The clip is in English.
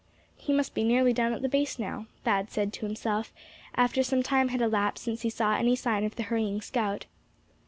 "He must be nearly down at the base now," Thad said to himself, after some time had elapsed since he saw any sign of the hurrying scout.